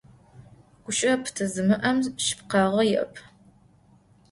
Guşı'e pıte zimı'em şsıpkhağe yi'ep.